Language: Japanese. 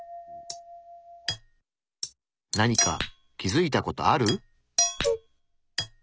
何か気づいた事ある？